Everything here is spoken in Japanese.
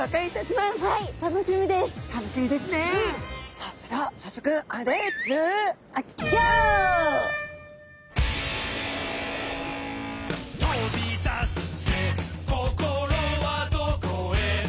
さあそれでは早速「飛び出すぜ心はどこへ」